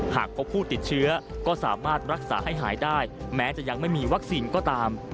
หากพบผู้ติดเชื้อก็สามารถรักษาให้หายได้แม้จะยังไม่มีวัคซีนก็ตาม